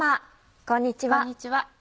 こんにちは。